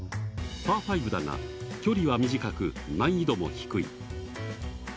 パー５だが距離は短く、難易度も低い。